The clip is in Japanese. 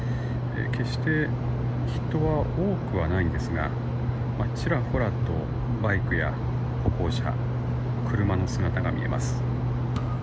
決して人は多くはないんですがちらほらとバイクや歩行者車の姿が見えます。